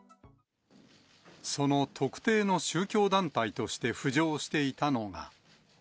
その特定の宗教団体として浮上していたのが。